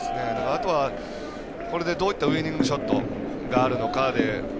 あとは、どういったウイニングショットがあるのか。